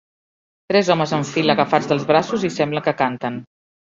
Tres homes en fila agafats dels braços i sembla que canten.